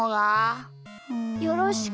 よろしく。